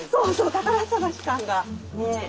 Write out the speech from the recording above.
宝探し感がね。